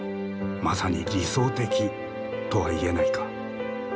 まさに理想的とは言えないか。